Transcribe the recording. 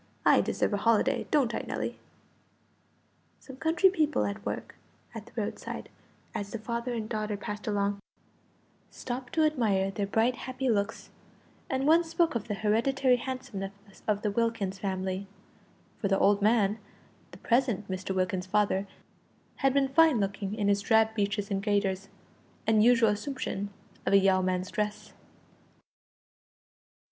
I deserve a holiday, don't I, Nelly?" Some country people at work at the roadside, as the father and daughter passed along, stopped to admire their bright happy looks, and one spoke of the hereditary handsomeness of the Wilkins family (for the old man, the present Mr. Wilkins's father, had been fine looking in his drab breeches and gaiters, and usual assumption of a yeoman's dress).